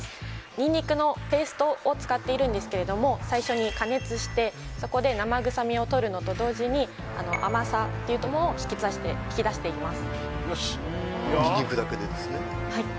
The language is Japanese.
ニンニクのペーストを使っているんですけれども最初に加熱してそこで生臭みを取るのと同時にあの甘さというのも引き出しています